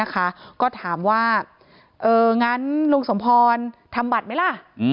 ก็ถามว่างั้นลุงสมพรทำบัตรไหมล่ะ